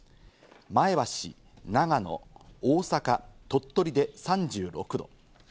前橋、長野、大阪、鳥取で３６度。